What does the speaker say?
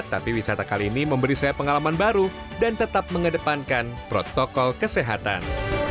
tapi wisata kali ini memberi saya pengalaman baru dan tetap mengedepankan protokol kesehatan